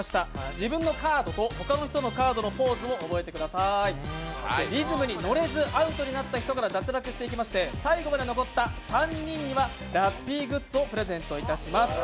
自分のカードと他の人のカードのポーズを覚えてください、リズムに乗れずアウトになった人から脱落していきまして最後まで残った３人にはラッピーグッズをプレゼントします。